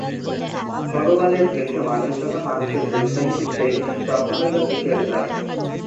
ভগবানের সৃষ্ট মানুষ যখন মানুষের প্রেম চাহিতেছে তখনই বা কিসের জাত!